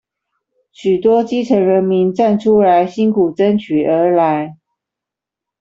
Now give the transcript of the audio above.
許多基層人民站出來辛苦爭取而來